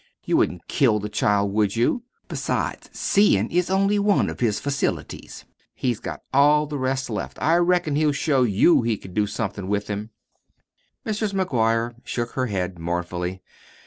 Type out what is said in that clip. "You wouldn't kill the child, would you? Besides SEEIN' is only one of his facilities. He's got all the rest left. I reckon he'll show you he can do somethin' with them." Mrs. McGuire shook her head mournfully.